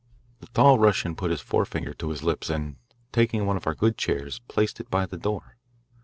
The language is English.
The tall Russian put his forefinger to his lips and, taking one of our good chairs, placed it by the door.